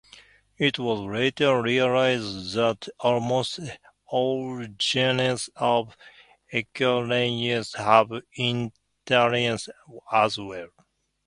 It was later realized that almost all genes of eukaryotes have introns as well.